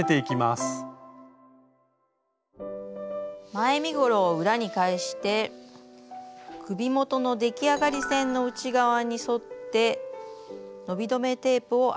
前身ごろを裏に返して首元の出来上がり線の内側に沿って伸び止めテープをアイロンで接着します。